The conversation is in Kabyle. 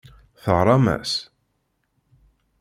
Teɣram-as?